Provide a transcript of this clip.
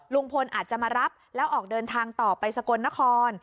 ลุงพลอาจจะมารับแล้วออกเดินทางต่อไปสกลนคร